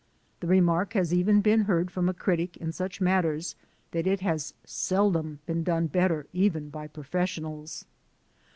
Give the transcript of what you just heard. The remark has even been heard from a critic in such matters that it has sel dom been done better even by professionals.